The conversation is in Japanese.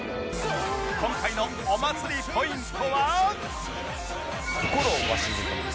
今回のお祭りポイントは